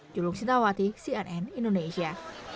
juruksitawati cnn indonesia